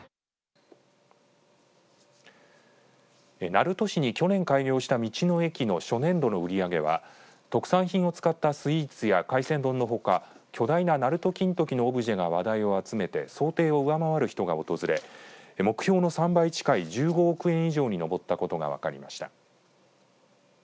鳴門市に去年開業した道の駅の初年度の売り上げは特産品を使ったスイーツや海鮮丼のほか巨大ななると金時のオブジェが話題を集めて想定を上回る人が訪れ目標の３倍近い１５億円以上に上ったことが分かりました。